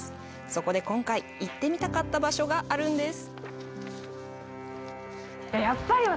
そこで今回、行ってみたかった場所があるんです。